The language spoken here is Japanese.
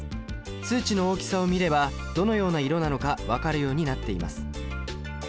数値の大きさを見ればどのような色なのか分かるようになっています。